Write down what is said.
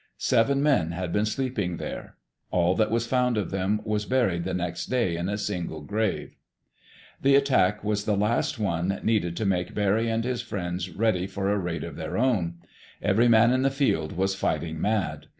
Seven men had been sleeping there. All that was found of them was buried the next day in a single grave. The attack was the last thing needed to make Barry and his friends ready for a raid of their own. Every man in the field was fighting mad.